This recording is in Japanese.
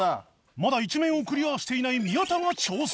まだ１面をクリアしていない宮田が挑戦